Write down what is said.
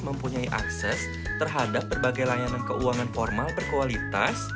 mempunyai akses terhadap berbagai layanan keuangan formal berkualitas